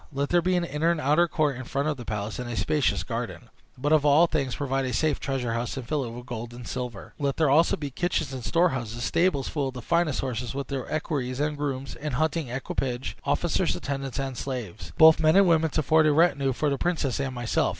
Let there be an inner and outer court in front of the palace, and a spacious garden; but, above all things, provide a safe treasure house, and fill it with gold and silver. Let there be also kitchens and storehouses, stables full of the finest horses, with their equerries and grooms, and hunting equipage, officers, attendants, and slaves, both men and women, to form a retinue for the princess and myself.